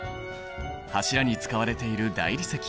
柱に使われている大理石。